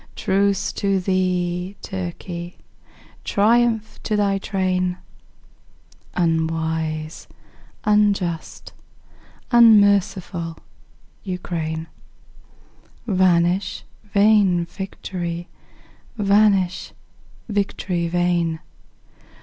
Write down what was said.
Truce to thee, Turkey! Triumph to thy train, Unwise, unjust, unmerciful Ukraine! Vanish vain victory! vanish, victory vain!